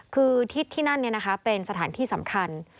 คือที่นั่นเป็นสถานที่สำคัญ